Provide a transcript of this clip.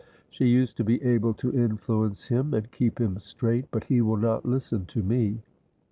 She used to be able to influence him and keep him straight, but he will not listen to me."